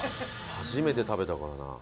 初めて食べたからな。